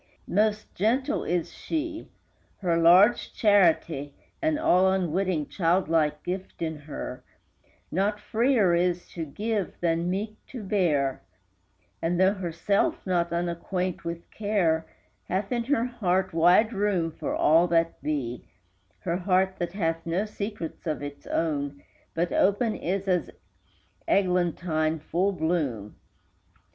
Most gentle is she; her large charity (An all unwitting, child like gift in her) Not freer is to give than meek to bear; And, though herself not unacquaint with care, Hath in her heart wide room for all that be, Her heart that hath no secrets of its own, But open is as eglantine full blown.